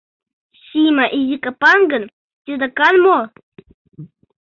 — Сима изи капан гын, титакан мо?